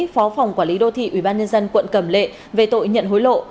phó phòng quản lý đô thị ubnd quận cẩm lệ về tội nhận hối lộ